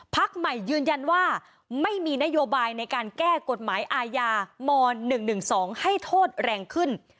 พักใหม่ยืนยันว่าไม่มีนโยบายในการแก้กฎหมายอาญาม๑๑๒ให้โทษแรงขึ้น